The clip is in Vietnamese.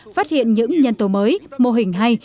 phát hiện những nhân tố mới mô hình hay